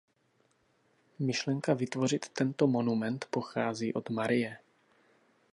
Myšlenka vytvořit tento monument pochází od Marie.